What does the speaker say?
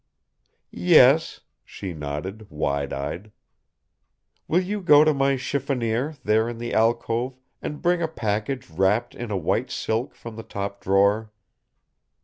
"Yes," she nodded, wide eyed. "Will you go to my chiffonier, there in the alcove, and bring a package wrapped in white silk from the top drawer?"